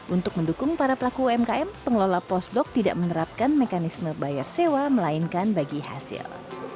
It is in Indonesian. untuk mendukung para pelaku umkm pengelola post blok tidak menerapkan mekanisme bayar sewa melainkan bagi hasil